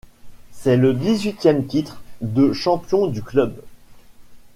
C’est le dix-huitième titre de champion du club.